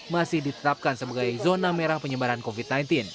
masih ditetapkan sebagai zona merah penyebaran covid sembilan belas